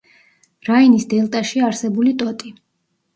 რაინის დელტაში არსებული ტოტი.